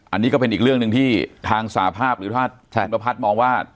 อันนี้ก็เป็นอีกเรื่องหนึ่งที่ทางสาภาพหรือถ้าคุณประพัฒน์มองว่า